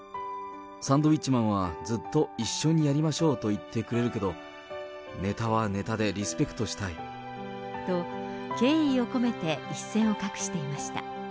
サンドウィッチマンは、ずっと一緒にやりましょうと言ってくれるけど、と、敬意を込めて一線を画していました。